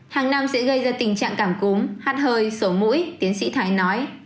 hàng năm sẽ gây ra tình trạng cảm cúm hát hơi sổ mũi tiến sĩ thái nói